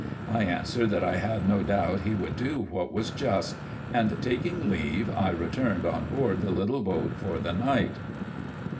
I answered, that I had no doubt he would do what was just, and, taking leave, I returned on board the little boat for the night.